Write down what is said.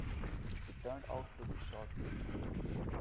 It turned out to be short-lived.